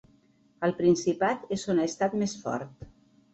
Al Principat és on ha estat més fort.